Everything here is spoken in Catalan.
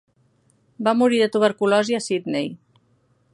Va morir de tuberculosi a Sydney.